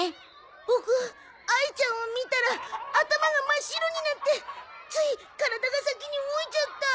ボクあいちゃんを見たら頭が真っ白になってつい体が先に動いちゃった。